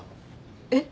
えっ？